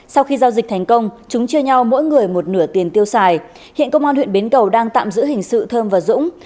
sau khi giao dịch thành công chúng chia nhau mỗi người một nửa tiền tiêu xài hiện công an huyện bến cầu đang tạm giữ hình sự thơm và dũng